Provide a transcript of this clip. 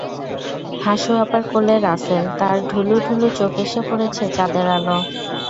হাসু আপার কোলে রাসেল, তার ঢুলু ঢুলু চোখে এসে পড়েছে চাঁদের আলো।